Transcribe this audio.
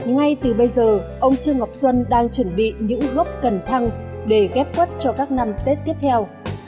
ngay từ bây giờ ông trương ngọc xuân đang chuẩn bị những gốc cần thăng để ghép quất cho các năm tết tiếp theo